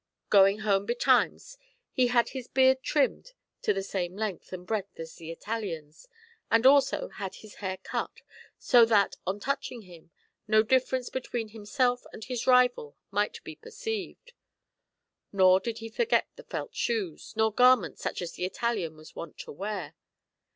Going home betimes, he had his beard trimmed to the same length and breadth as the Italian's, and also had his hair cut, so that, on touching him, no difference between himself and his rival might be perceived. Nor did he forget the felt shoes, nor garments such as the Italian was wont to wear.